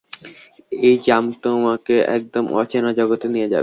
এই জাম তোমাকে একদম অচেনা জগতে নিয়ে যাবে।